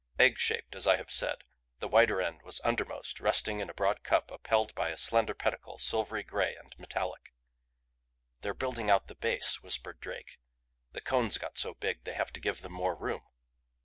Egg shaped as I have said, the wider end was undermost, resting in a broad cup upheld by a slender pedicle silvery gray and metallic. "They're building out the base," whispered Drake. "The Cones got so big they have to give them more room."